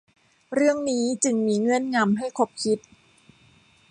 เรื่องนี้จึงมีเงื่อนงำ ให้ขบคิด